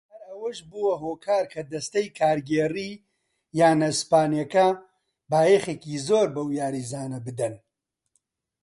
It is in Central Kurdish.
هەر ئەوەش بووە هۆکار کە دەستەی کارگێڕیی یانە ئیسپانییەکە بایەخێکی زۆر بەو یاریزانە بدەن.